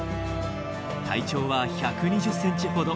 体長は１２０センチほど。